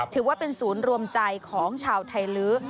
ถือว่าเป็นศูนย์รวมใจของชาวไทยลื้อ